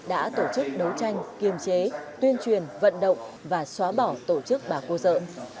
đã tổ chức đấu tranh kiềm chế tuyên truyền vận động và xóa bỏ tổ chức bà cô dợ